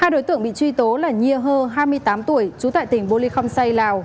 hai đối tượng bị truy tố là nhi hơ hai mươi tám tuổi trú tại tỉnh bô lê không say lào